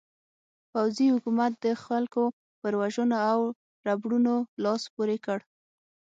پوځي حکومت د خلکو پر وژنو او ربړونو لاس پورې کړ.